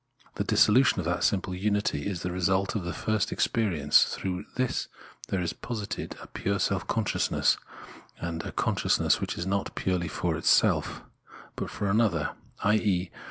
The dissolution of that simple unity is the result of the first experience ; through this there is posited a pure self consciousness, and a consciousness which is not purely for itself, but for another, i.e.